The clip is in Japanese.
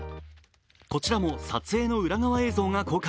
こちらも撮影の裏側映像が公開。